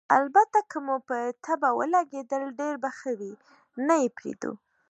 البته که مو په طبعه ولګېدل، ډېر به ښه وي، نه یې پرېږدو.